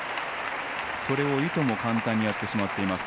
それをいとも簡単にやってしまっています。